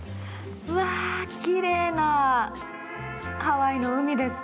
うわあ奇麗なハワイの海です。